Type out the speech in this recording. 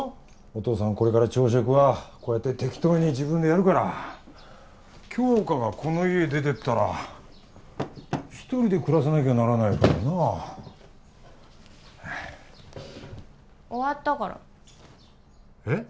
お父さんこれから朝食はこうやって適当に自分でやるから杏花がこの家出てったら一人で暮らさなきゃならないからな終わったからえっ！？